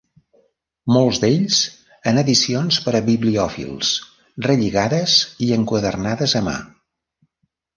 Molts d'ells en edicions per a bibliòfils, relligades i enquadernades a mà.